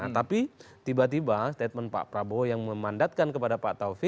tapi tiba tiba statement pak prabowo yang memandatkan kepada pak taufik